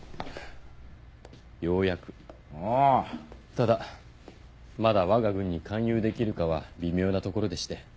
ただまだわが軍に勧誘できるかは微妙なところでして。